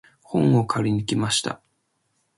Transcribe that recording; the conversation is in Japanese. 本を借りに行きました。